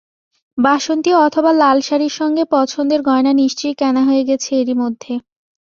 বাসন্তী অথবা লাল শাড়ির সঙ্গে পছন্দের গয়না নিশ্চয়ই কেনা হয়ে গেছে এরই মধ্যে।